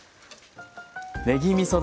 ねぎみそ